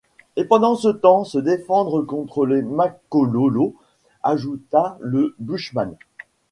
Et pendant ce temps, se défendre contre les Makololos! ajouta le bushman !